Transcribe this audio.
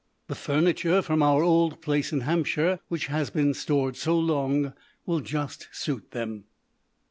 The furniture from our old place in Hampshire, which has been stored so long, will just suit them.